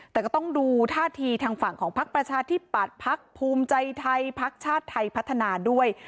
แต่ก็ต้องดูท่าทีทางฝั่งของพักประชาธิปัตย์พักภูมิใจไทยพักชาติไทยพัฒนาด้วย